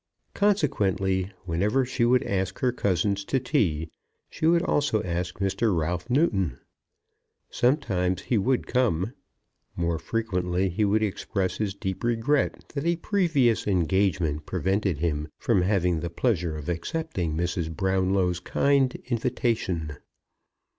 Consequently, whenever she would ask her cousins to tea, she would also ask Mr. Ralph Newton. Sometimes he would come. More frequently he would express his deep regret that a previous engagement prevented him from having the pleasure of accepting Mrs. Brownlow's kind invitation.